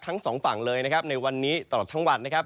ทั้งสองฝั่งเลยนะครับในวันนี้ตลอดทั้งวันนะครับ